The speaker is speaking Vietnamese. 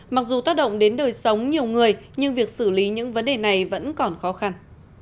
mặc dù tác động đến đời sống nhiều người nhưng việc xử lý những vấn đề này vẫn còn khó khăn